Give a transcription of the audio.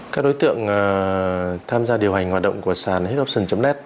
các đối tượng tham gia điều hành hoạt động của sàn hit option net